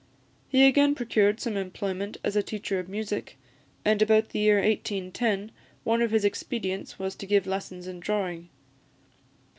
He again procured some employment as a teacher of music; and about the year 1810, one of his expedients was to give lessons in drawing.